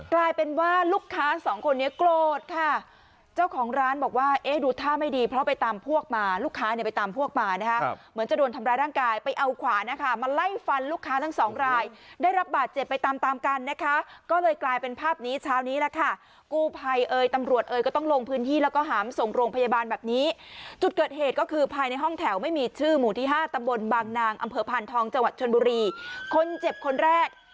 กลายเป็นว่าลูกค้าสองคนนี้โกรธค่ะเจ้าของร้านบอกว่าดูท่าไม่ดีเพราะไปตามพวกมาลูกค้าเนี่ยไปตามพวกมานะคะเหมือนจะโดนทำร้ายร่างกายไปเอาขวานะคะมาไล่ฟันลูกค้าทั้งสองรายได้รับบาดเจ็บไปตามกันนะคะก็เลยกลายเป็นภาพนี้เช้านี้แล้วค่ะกูภัยเอ๋ยตำรวจเอ๋ยก็ต้องลงพื้นที่แล้วก็หามส่งโรงพยาบาลแบ